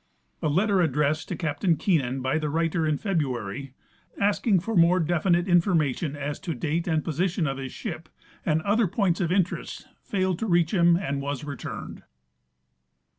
A letter addressed to Captain Keenan by the writer in Febru ary, asking for more definite information as to date and position of his ship and other points of interest, failed to reach him and was returned.